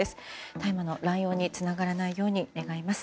大麻の乱用につながらないように願います。